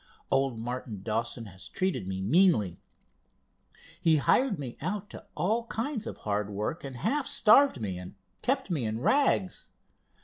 Old Martin Dawson has treated me meanly. He hired me out to all kinds of hard work, and half starved me, and kept me in rags.